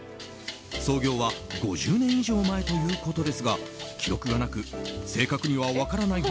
創業は５０年以上前ということですが記録がなく正確には分からない